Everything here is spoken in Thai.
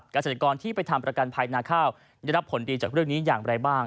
เกษตรกรที่ไปทำประกันภัยนาข้าวได้รับผลดีจากเรื่องนี้อย่างไรบ้าง